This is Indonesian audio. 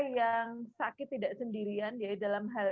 yang sakit tidak sendirian ya dalam hal